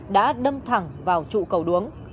đã đâm thẳng vào trụ cầu đuống